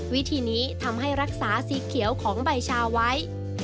วิธีนี้ทำให้รักษาสีเขียวของใบชาไว้